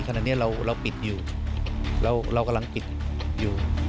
ขณะนี้เรากำลังปิดอยู่